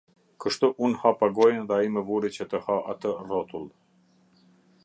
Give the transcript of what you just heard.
Kështu unë hapa gojën dhe ai më vuri që të ha atë rrotull.